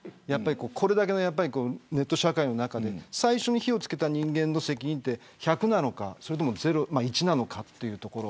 これだけのネット社会の中で最初に火を付けた人間の責任は１００なのか０なのか１なのかというところ。